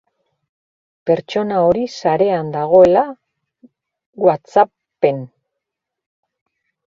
Pertsona hori sarean dagoela WhatsApp-en.